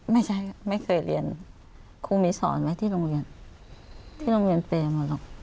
ไม่เคยเรียนครูมีสอนไหมที่โรงเรียนที่โรงเรียนเปรย์หมดหรอก